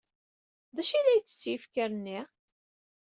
D acu ay la yettett yifker-nni?